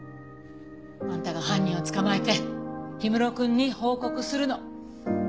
あんたが犯人を捕まえて氷室くんに報告するの。